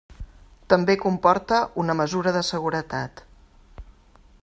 També comporta una mesura de seguretat.